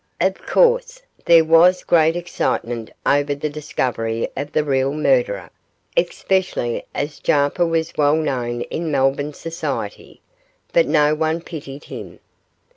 Of course, there was great excitement over the discovery of the real murderer, especially as Jarper was so well known in Melbourne society, but no one pitied him.